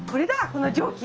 この蒸気。